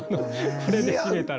これで締めたら。